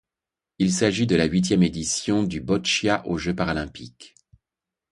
Il s'agit de la huitième édition du boccia aux Jeux paralympiques.